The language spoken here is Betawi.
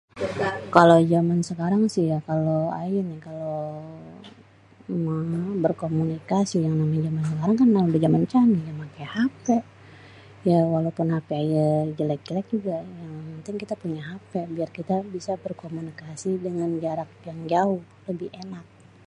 Kalo zaman sekarang si ya, kalo ayé ni ya kalo berkomunikasi yang namanya zaman sekarang udah zaman canggih, ya maké HP. Ya walaupun HP ayé jelek-jelek juga yang penting kita punya HP biar kita bisa berkomunikasi dengan jarak yang jauh lebih enak.